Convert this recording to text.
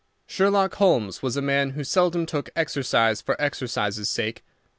Sherlock Holmes was a man who seldom took exercise for exercise's sake.